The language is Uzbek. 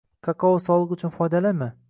Kakao sog‘liq uchun foydalimi?